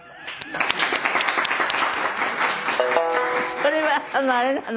それはあれなの？